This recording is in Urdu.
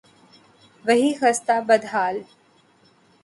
وہی خستہ، بد حال